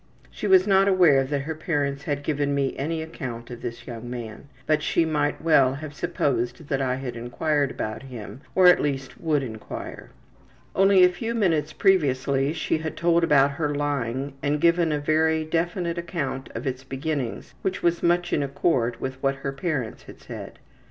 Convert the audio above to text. She was not aware that her parents had given me any account of this young man, but she might well have supposed that I had inquired about him, or at least would inquire. Only a few minutes previously she had told about her lying and given a very definite account of its beginnings which was much in accord with what her parents had said.